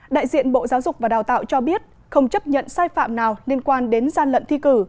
đại diện bộ giáo dục và đào tạo cho biết không chấp nhận sai phạm nào liên quan đến gian lận thi cử